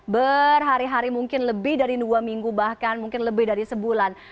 berhari hari mungkin lebih dari dua minggu bahkan mungkin lebih dari sebulan